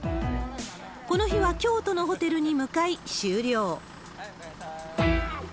この日は京都のホテルに向かい終了。